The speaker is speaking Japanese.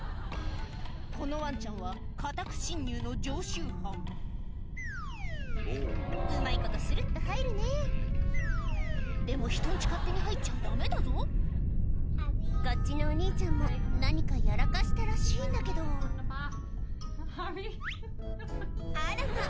このワンちゃんは家宅侵入の常習犯うまいことスルっと入るねぇでもひとん家勝手に入っちゃダメだぞこっちのお兄ちゃんも何かやらかしたらしいんだけど・ハリー・あらま！